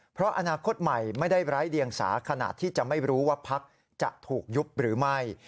เพราะอนาคตใหม่ไม่ได้ไร้เดียงสาขณะที่จะไม่รู้ว่าพักจะถูกยุบหรือไม่